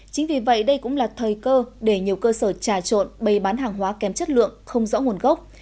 chính vì vậy đây cũng là thời cơ để nhiều cơ sở trà trộn bày bán hàng hóa kém chất lượng không rõ nguồn gốc